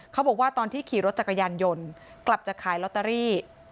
เขาบอกว่าตอนที่ขี่รถจักรยานยนต์กลับจะขายลอตเตอรี่